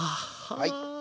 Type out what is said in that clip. はい。